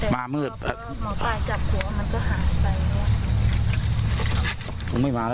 เมื่อกี้มันน้องมันบอกต้องอยู่ข้างบน